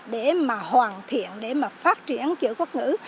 để mà hoàn thiện để mà phát triển chữ quốc ngữ